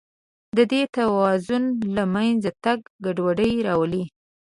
د دې توازن له منځه تګ ګډوډي راولي.